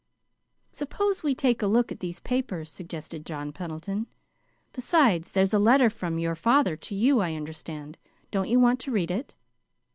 "Suppose we take a look at these papers," suggested John Pendleton. "Besides, there's a letter from your father to you, I understand. Don't you want to read it?"